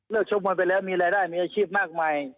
ชกมวยไปแล้วมีรายได้มีอาชีพมากมาย